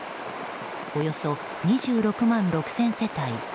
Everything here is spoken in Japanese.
およそ２６万６０００世帯